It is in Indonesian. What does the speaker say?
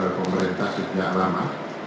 oleh pemerintah sejak lama